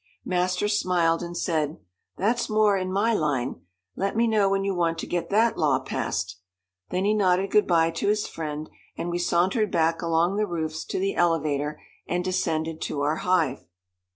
Master smiled, and said, "That's more in my line. Let me know when you want to get that law passed," then he nodded good bye to his friend, and we sauntered back along the roofs to the elevator, and descended to our hive.